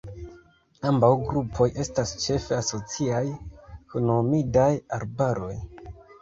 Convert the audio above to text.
Ambaŭ grupoj estas ĉefe asociaj kun humidaj arbaroj.